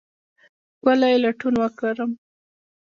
ښکلې لټون وکرم